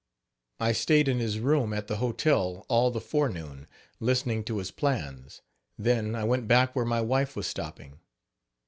I stayed in his room at the hotel all the forenoon, listening to his plans; then I went back where my wife was stopping.